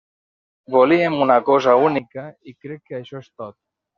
Volíem una cosa única, i crec que això és tot!